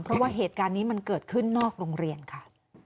เพราะว่าเหตุการณ์นี้มันเกิดขึ้นนอกโรงเรียนค่ะ